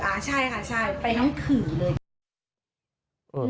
ใช่ค่ะใช่ไปทั้งขื่อเลย